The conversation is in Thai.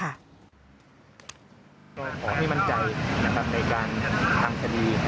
เราขอให้มั่นใจในการทำคดี